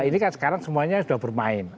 ini kan sekarang semuanya sudah bermain